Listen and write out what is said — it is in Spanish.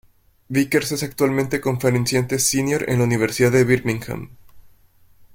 Vickers es actualmente Conferenciante Senior en la Universidad de Birmingham.